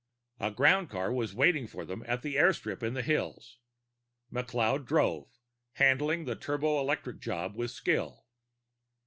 A groundcar waited for them at the airstrip in the hills. McLeod drove, handling the turboelectric job with skill.